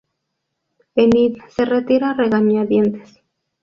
Enid se retira a regañadientes.